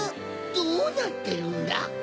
どうなってるんだ？